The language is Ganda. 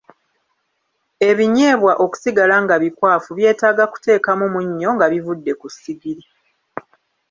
Ebinyeebwa okusigala nga bikwafu byetaaga kuteekamu munnyo nga bivudde ku ssigiri.